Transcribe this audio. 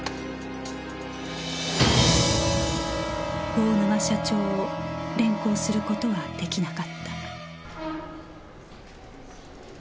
大沼社長を連行する事は出来なかった